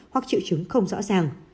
hoặc triệu chứng không rõ ràng